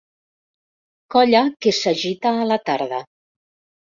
Colla que s'agita a la tarda.